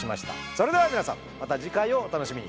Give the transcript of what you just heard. それでは皆さんまた次回をお楽しみに。